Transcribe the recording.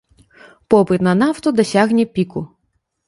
Попыт на нафту дасягне піку.